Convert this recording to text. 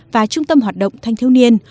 và trung tâm hoạt động thanh thiếu niên